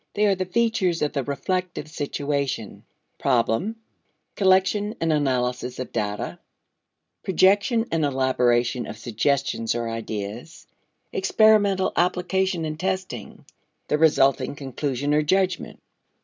They are the features of the reflective situation: Problem, collection and analysis of data, projection and elaboration of suggestions or ideas, experimental application and testing; the resulting conclusion or judgment.